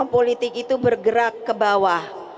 politik itu bergerak ke bawah